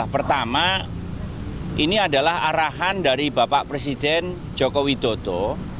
pertama ini adalah arahan dari bapak presiden joko widodo